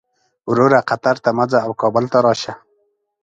وروره قطر ته مه ځه او کابل ته راشه.